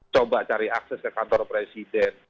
coba cari akses ke kantor presiden